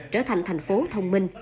trở thành thành phố thông minh